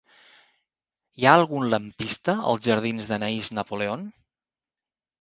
Hi ha algun lampista als jardins d'Anaïs Napoleon?